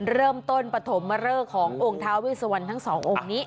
เริ่มต้นประถมะเร่อขององค์ทาวเวสวันทั้ง๒องค์นี้